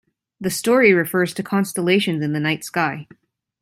The story refers to constellations in the night sky.